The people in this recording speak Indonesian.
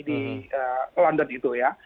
di london itu ya